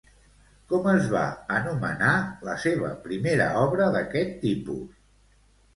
Com es va anomenar la seva primera obra d'aquest tipus?